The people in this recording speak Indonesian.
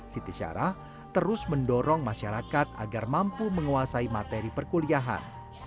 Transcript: siti syarah terus mendorong masyarakat agar mampu menguasai materi perkuliahan